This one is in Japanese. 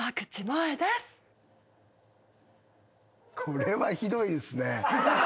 これはひどいですね。